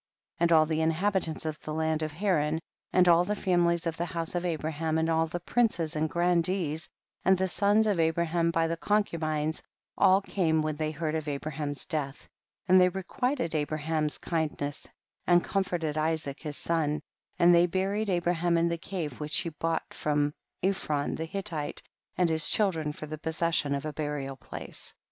3L And all the inhabitants of the land of Haran, and all the families of the house of Abraham, and all the princes and grandees, and the sons of Abraham by the concubines, all came when they heard of Abraham's death, and they requited Abraham's kindness, and comforted Isaac his son, and they buried Abraham in the cave which he bought from Ephron the Hittite and his children, for the possession of a burial place.